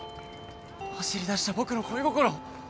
走りだした僕の恋心。